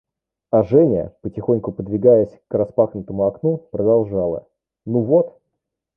А Женя, потихоньку подвигаясь к распахнутому окну, продолжала: – Ну вот!